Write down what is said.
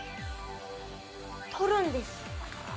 撮るんです。